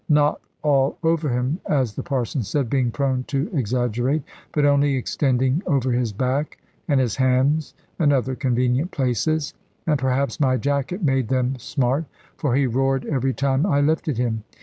Not all over him, as the Parson said, being prone to exaggerate; but only extending over his back, and his hams, and other convenient places. And perhaps my jacket made them smart, for he roared every time I lifted him.